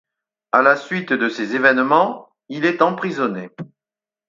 À la suite de ces évènements, il est emprisonné.